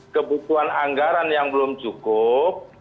kebutuhan anggaran yang belum cukup